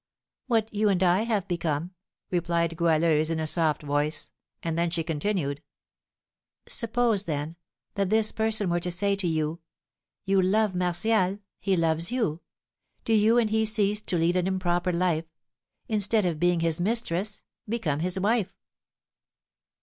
"What you and I have become," replied Goualeuse, in a soft voice; and then she continued, "Suppose, then, that this person were to say to you, 'You love Martial; he loves you. Do you and he cease to lead an improper life, instead of being his mistress, become his wife.'"